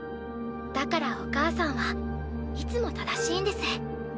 だからお母さんはいつも正しいんです。